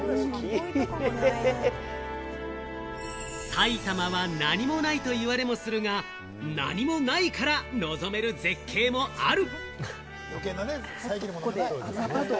埼玉は何もないと言われもするが、何もないから望める絶景もある！